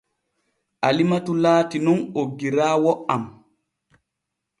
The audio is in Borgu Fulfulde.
Alimatu laati nun oggiraawo am.